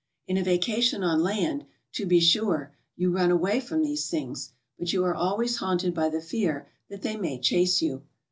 In a vacation on land, to be sure, you run away from these things, but you are always haunted by the fear that they may chase you.